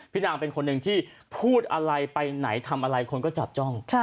นางเป็นคนหนึ่งที่พูดอะไรไปไหนทำอะไรคนก็จับจ้อง